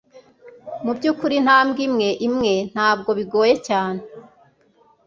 mubyukuri, intambwe imwe imwe ntabwo bigoye cyane